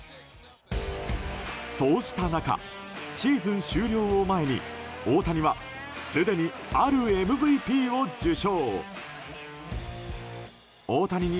そうした中シーズン終了を前に、大谷はすでに、あるＭＶＰを受賞。